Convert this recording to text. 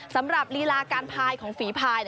สำหรับลีลาการพายของฝีพาย